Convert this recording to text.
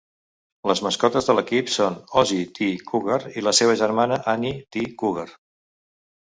Les mascotes de l'equip són Ozzie T. Cougar i la seva germana Annie T. Cougar.